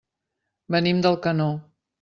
Venim d'Alcanó.